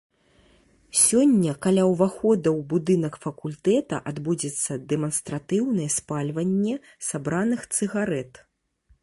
Сёння каля ўвахода ў будынак факультэта адбудзецца дэманстратыўнае спальванне сабраных цыгарэт.